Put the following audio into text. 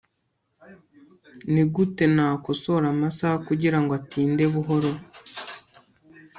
nigute nakosora amasaha kugirango atinde buhoro